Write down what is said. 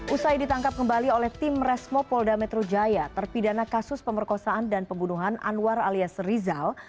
usai ditangkap kembali oleh tim resmo polda metro jaya terpidana kasus pemerkosaan dan pembunuhan anwar alias rizal